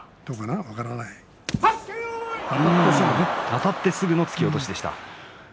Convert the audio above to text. あたってすぐの突き落としでした。